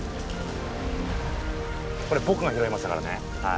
これぼくが拾いましたからねはい。